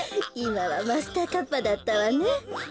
いまはマスターカッパーだったわね。